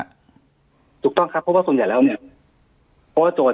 ถูกต้องครับเพราะว่าส่วนใหญ่แล้วเนี่ย